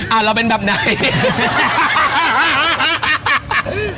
เอาเราเป็นแบบไหน